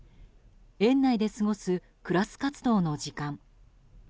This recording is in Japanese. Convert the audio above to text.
園内で過ごすクラス活動の時間。